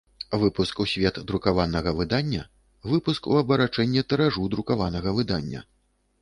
Выпуск у свет друкаванага выдання – выпуск у абарачэнне тыражу друкаванага выдання.